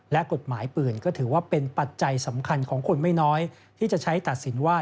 และกฎหมายปืนก็ถือว่าเป็นปัจจัยสำคัญของคนไม่น้อยที่จะใช้ตัดสินว่า